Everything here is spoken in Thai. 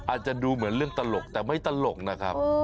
อาจจะดูเหมือนเรื่องตลกแต่ไม่ตลกนะครับ